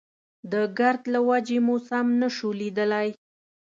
د ګرد له وجې مو سم نه شو ليدلی.